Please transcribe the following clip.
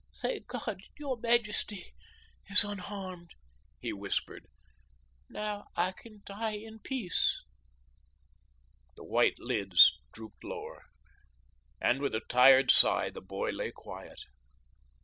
"Thank God, your majesty is unharmed," he whispered. "Now I can die in peace." The white lids drooped lower, and with a tired sigh the boy lay quiet.